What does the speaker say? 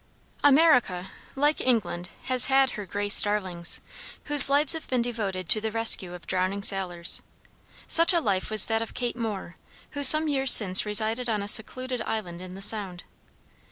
America, like England, has had her Grace Darlings, whose lives have been devoted to the rescue of drowning sailors. Such a life was that of Kate Moore, who some years since resided on a secluded island in the Sound.